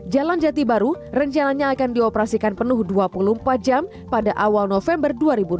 jalan jati baru rencananya akan dioperasikan penuh dua puluh empat jam pada awal november dua ribu dua puluh